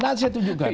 nanti saya tunjukkan